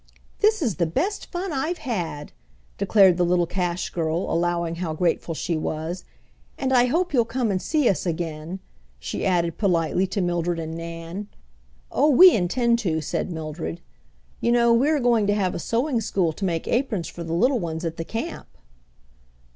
"This is the best fun I've had!" declared the little cash girl, allowing how grateful she was. "And I hope you'll come and see us again," she added politely to Mildred and Nan. "Oh, we intend to," said Mildred. "You know, we are going to have a sewing school to make aprons for the little ones at the camp."